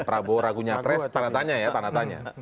prabowo ragunya pres tanda tanya ya tanda tanya